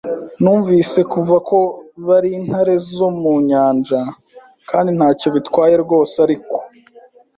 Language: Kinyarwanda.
Numvise kuva ko bari intare zo mu nyanja, kandi ntacyo bitwaye rwose. Ariko